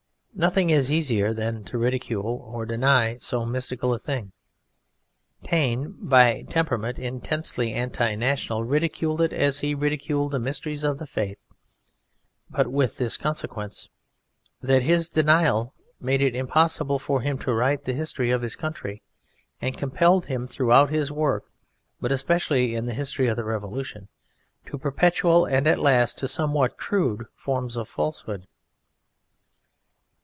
Nothing is easier than to ridicule or deny so mystical a thing. Taine, by temperament intensely anti national, ridiculed it as he ridiculed the mysteries of the Faith; but with this consequence, that his denial made it impossible for him to write the history of his country, and compelled him throughout his work, but especially in his history of the Revolution, to perpetual, and at last to somewhat crude, forms of falsehood.